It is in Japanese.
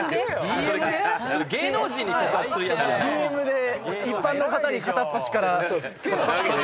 ＤＭで一般の方に片っ端から。